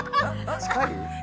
近い？